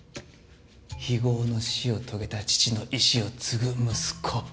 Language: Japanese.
非業の死を遂げた父の遺志を継ぐ息子。